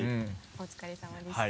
お疲れさまでした。